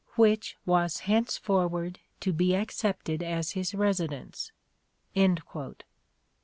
. (which) was henceforward to be accepted as his residence."